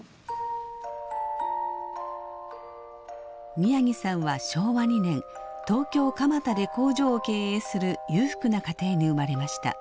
宮城さんは昭和２年東京・蒲田で工場を経営する裕福な家庭に生まれました。